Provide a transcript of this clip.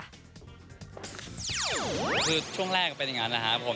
คือช่วงแรกเป็นอย่างนั้น